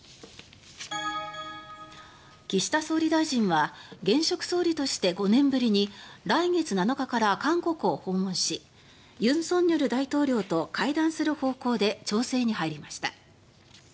岸田総理大臣は現職総理として５年ぶりに来月７日から韓国を訪問し尹錫悦大統領と会談する方向で調整に入りました。